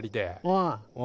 うん。